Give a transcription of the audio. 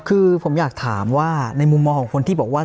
คือผมอยากถามว่าในมุมมองของคนที่บอกว่า